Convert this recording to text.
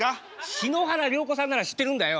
篠原涼子さんなら知ってるんだよ。